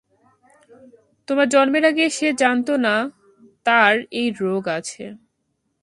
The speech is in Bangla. তোমার জন্মের আগে সে জানতো না তার এই রোগ আছে।